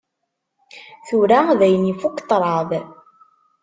Tura dayen ifukk ṭṭraḍ.